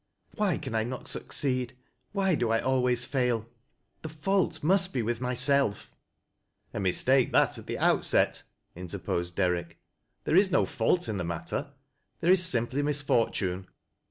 Why can I not suc ceed? Why do I alwaya fail? The fault must be with myself "" A mistake that at the outset," interposed Derrick " There is no ' fault ' in the matter ; tliere is simply mis A DIFFIuaLT OA8B. S fortune.